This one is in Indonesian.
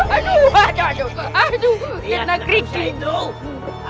aduh tuyung tuh